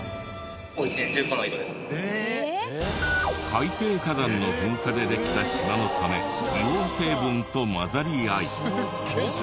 海底火山の噴火でできた島のため硫黄成分と混ざり合い１年中